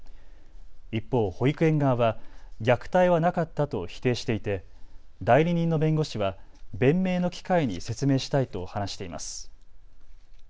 一方、保育園側は虐待はなかったと否定していて代理人の弁護士は弁明の機会に説明したいと話しています。